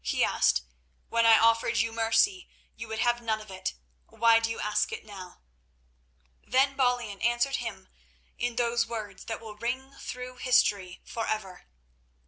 he asked. "When I offered you mercy you would have none of it. Why do you ask it now?" Then Balian answered him in those words that will ring through history forever.